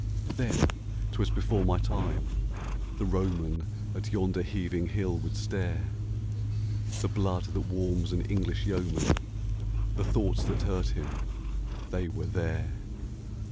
Then, 'twas before my time, the Roman At yonder heaving hill would stare: The blood that warms an English yeoman, The thoughts that hurt him, they were there.